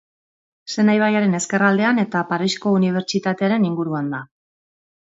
Sena ibaiaren Ezkerraldean eta Parisko Unibertsitatearen inguruan da.